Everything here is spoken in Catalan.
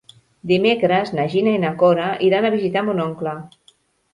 Dimecres na Gina i na Cora iran a visitar mon oncle.